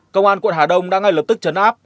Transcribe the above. công an quận hà đông đã ngay lập tức chấn áp